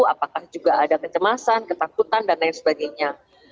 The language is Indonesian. apakah juga ada kecemasan ketakutan dan lain sebagainya